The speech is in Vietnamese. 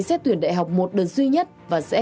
xét tuyển đại học một đợt duy nhất và sẽ